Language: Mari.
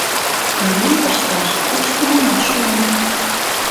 Лӱен пышташ кеч-кунамат шуына.